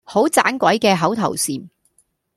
好盞鬼嘅口頭禪